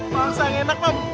bangsa yang enak mam